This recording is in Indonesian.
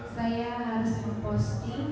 saya harus memposting